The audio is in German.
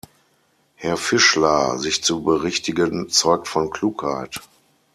Herr Fischler, sich zu berichtigen zeugt von Klugheit.